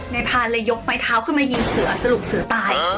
พานเลยยกไม้เท้าขึ้นมายิงเสือสรุปเสือตาย